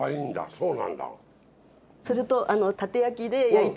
そうなんだ。